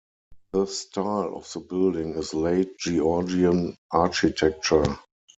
The style of the building is late Georgian architecture.